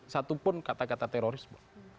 satupun kata kata terorisme